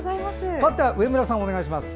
かわっては上村さんお願いします。